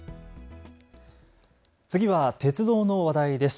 次は鉄道の話題です。